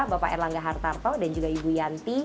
bapak erlangga hartarto dan juga ibu yanti